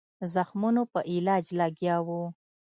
زخمونو په علاج لګیا وو.